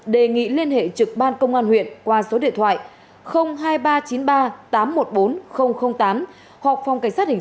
đề nghị liên hệ trực ban công an huyện qua số điện thoại hai nghìn ba trăm chín mươi ba tám trăm một mươi bốn tám hoặc phòng cảnh sát hình